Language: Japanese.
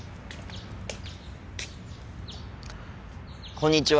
こんにちは。